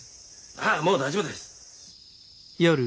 ああもう大丈夫です。